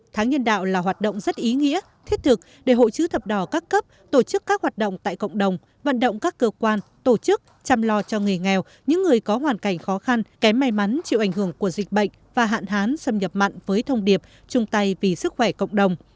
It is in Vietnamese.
tháng nhân đạo là hoạt động rất ý nghĩa thiết thực để hội chữ thập đỏ các cấp tổ chức các hoạt động tại cộng đồng vận động các cơ quan tổ chức chăm lo cho người nghèo những người có hoàn cảnh khó khăn kém may mắn chịu ảnh hưởng của dịch bệnh và hạn hán xâm nhập mặn với thông điệp chung tay vì sức khỏe cộng đồng